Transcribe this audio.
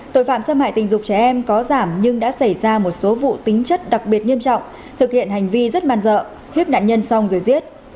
tội phạm xâm hại tình dục trẻ em có giảm nhưng đã xảy ra một số vụ tính chất đặc biệt nghiêm trọng thực hiện hành vi rất man dợ hiếp nạn nhân xong rồi giết